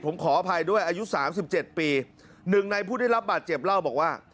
ผมขออภัยด้วยอายุสามสิบเจ็ดปีหนึ่งในผู้ได้รับบาดเจ็บเล่าบอกว่า